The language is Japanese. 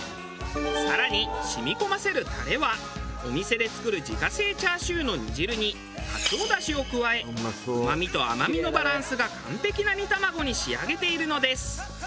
更に染み込ませるタレはお店で作る自家製チャーシューの煮汁にカツオ出汁を加えうまみと甘みのバランスが完璧な煮卵に仕上げているのです。